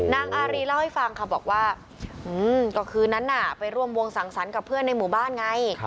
นางอารีเล่าให้ฟังค่ะบอกว่าก็คืนนั้นน่ะไปร่วมวงสังสรรค์กับเพื่อนในหมู่บ้านไง